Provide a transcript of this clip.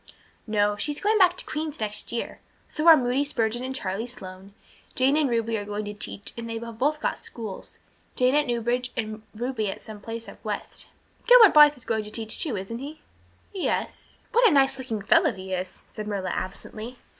"No, she is going back to Queen's next year. So are Moody Spurgeon and Charlie Sloane. Jane and Ruby are going to teach and they have both got schools Jane at Newbridge and Ruby at some place up west." "Gilbert Blythe is going to teach too, isn't he?" "Yes" briefly. "What a nice looking fellow he is," said Marilla absently.